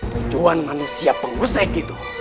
tujuan manusia pengguseg itu